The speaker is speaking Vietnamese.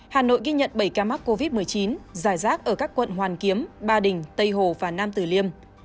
hà nội ghi nhận bảy ca mắc covid một mươi chín dài rác ở các quận hoàn kiếm ba đình tây hồ và nam tử liêm